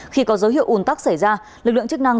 khi có dấu hiệu ủn tắc xảy ra lực lượng chức năng